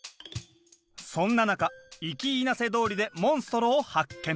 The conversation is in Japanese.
そんな中イキイナセ通りでモンストロを発見。